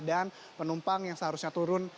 dan penumpang yang seharusnya turun